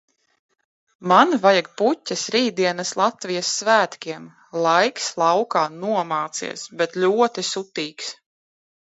Man vajag puķes rītdienas Latvijas svētkiem. Laiks laukā nomācies, bet ļoti sutīgs.